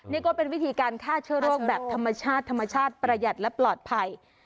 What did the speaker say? นี่ก็เป็นวิธีการฆ่าเชื้อโรคแบบธรรมชาติธรรมชาติประหยัดและปลอดภัย